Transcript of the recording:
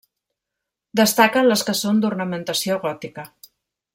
Destaquen les que són d'ornamentació gòtica.